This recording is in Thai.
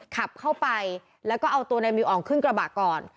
ขับเข้าไปแล้วก็เอาตัวนายมิวอ่องขึ้นกระบะก่อน